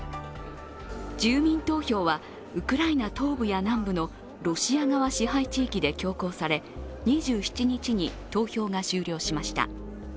住民投票はウクライナ東部や南部のロシア側支配地域で強行され２７日に投票が終了しました。